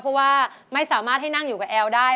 เพราะว่าไม่สามารถให้นั่งอยู่กับแอลได้